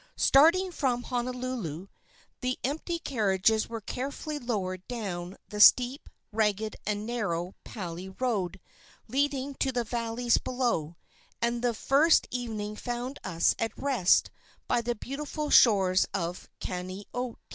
Starting from Honolulu, the empty carriages were carefully lowered down the steep, ragged and narrow Pali road leading to the valleys below, and the first evening found us at rest by the beautiful shores of Kaneohe.